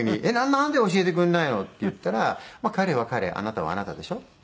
「なんで教えてくれないの？」って言ったら「彼は彼あなたはあなたでしょ？」っていう。